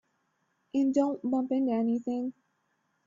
And don't bump into anything.